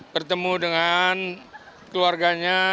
bertemu dengan keluarganya